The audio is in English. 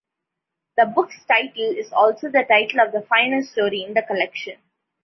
The book's title is also the title of the final story in the collection.